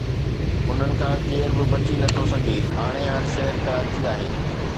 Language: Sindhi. انهن کان ڪير به بچي نٿو سگهي هاڻي هر شهر ڪراچي آهي.